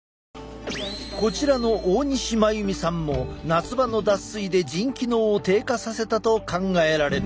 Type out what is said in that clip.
こちらの大西眞由美さんも夏場の脱水で腎機能を低下させたと考えられる。